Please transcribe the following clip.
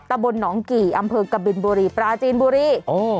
ตะบนหนองกี่อำเภอกบินบุรีปราจีนบุรี